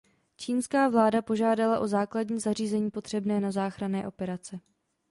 Čínská vláda požádala o základní zařízení potřebné na záchranné operace.